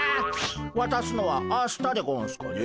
わたすのは明日でゴンスかね。